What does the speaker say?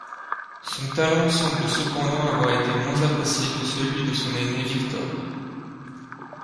Son talent semble cependant avoir été moins apprécié que celui de son aîné Victor.